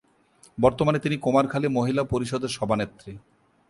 বর্তমানে তিনি কুমারখালী মহিলা পরিষদের সভানেত্রী।